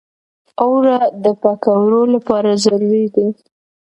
اوړه د پکوړو لپاره ضروري دي